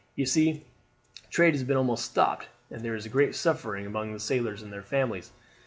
You see trade has been almost stopped, and there is great suffering among the sailors and their families.